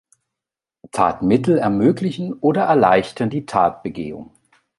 Tatmittel ermöglichen oder erleichtern die Tatbegehung.